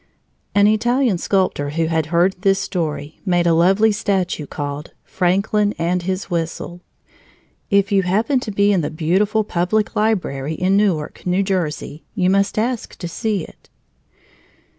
An Italian sculptor who had heard this story made a lovely statue called "Franklin and his Whistle." If you happen to be in the beautiful Public Library in Newark, New Jersey, you must ask to see it.